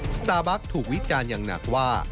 สตาร์บัคถูกวิจารณ์อย่างหนักว่า